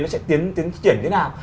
nó sẽ tiến triển như thế nào